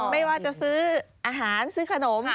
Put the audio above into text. ไม่ว่าจะซื้ออาหารซื้อขนม